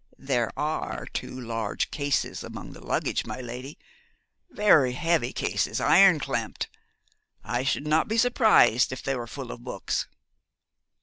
'There are two large cases among the luggage, my lady; very heavy cases, iron clamped. I should not be surprised if they were full of books.'